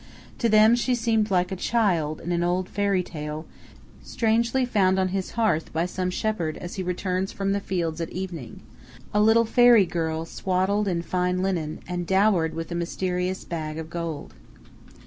To them she seemed like a child in an old fairy tale strangely found on his hearth by some shepherd as he returns from the fields at evening a little fairy girl swaddled in fine linen, and dowered with a mysterious bag of gold.